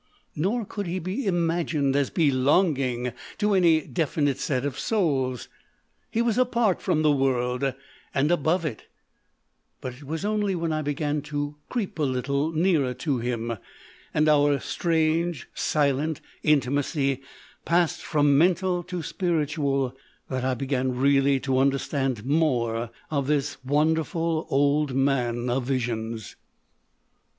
Nor could he be imagined as " belonging" to any definite set of souls. He was apart from the world â and above it But it was only when I began to creep a little THE OLD MAN OF VISIONS 265 nearer to him, and our strange, silent intimacy passed from mental to spiritual, that I began really to understand more of this wonderful Old Man of Visions.